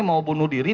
mau bunuh diri